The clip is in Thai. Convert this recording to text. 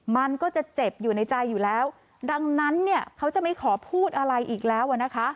มันก็จะเจ็บอยู่ในใจอยู่แล้วดังนั้นเขาจะไม่ขอพูดอะไรอีกแล้ว